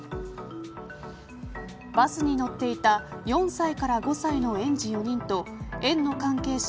バスに乗っていた４歳から５歳の園児４人と園の関係者